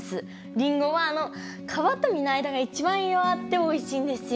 りんごはあの皮と実の間が一番栄養あっておいしいんですよ。